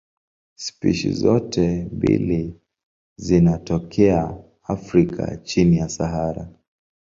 Spishi zote mbili zinatokea Afrika chini ya Sahara.